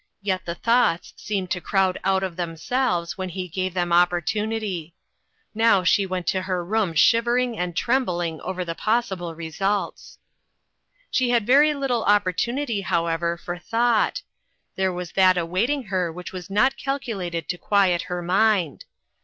Yet the thoughts seemed to crowd out of themselves, when he gave them opportunity. Now she went to her room shivering and trembling over the pos sible results. She had very little opportunity, however, for thought ; and there was that awaiting her which was not calculated to quiet her mind.